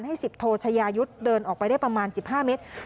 ให้สิบโททัชายุทธ์เดินออกไปได้ประมาณสิบห้าเมตร